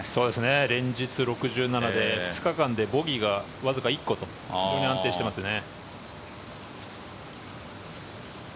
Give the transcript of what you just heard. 連日６７で２日間でボギーがわずか１個と非常に安定してますね。